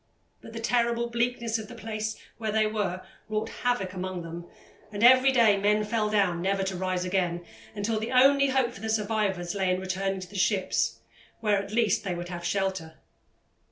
But the terrible bleakness of the place where they were wrought havoc among them, and every day men fell down never to rise again, until the only hope for the survivors lay in returning to the ships, where, at least, they would have shelter.